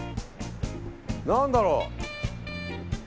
何だろう？